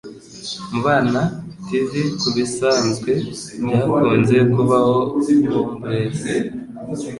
Mubana Tv Kubisanzwe Byakunze kubaho Wombles